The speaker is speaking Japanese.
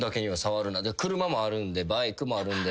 車もあるんでバイクもあるんで。